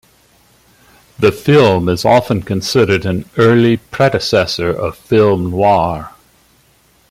The film is often considered an early predecessor of film noir.